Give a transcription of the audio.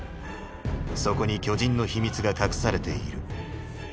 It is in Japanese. そこに巨人の秘密が隠されている。